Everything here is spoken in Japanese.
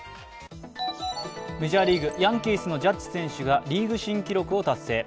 メジャーリーグ、ヤンキースのジャッジ選手がリーグ新記録を達成。